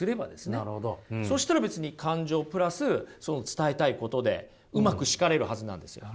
そしたら別に感情プラスその伝えたいことでうまく叱れるはずなんですよ。